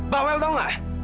bawel tau nggak